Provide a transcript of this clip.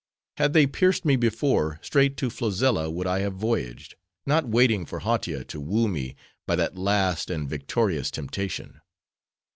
Had they pierced me before, straight to Flozella would I have voyaged; not waiting for Hautia to woo me by that last and victorious temptation.